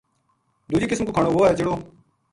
دُوجی قسم کو کھانو وہ وھے جہڑو